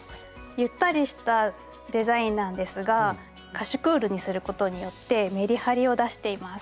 ゆったりしたデザインなんですがカシュクールにすることによってめりはりを出しています。